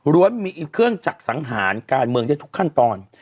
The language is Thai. มีเครื่องจักรสังหารการเมืองได้ทุกขั้นตอน